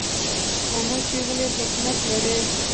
خاموشي ولې حکمت دی؟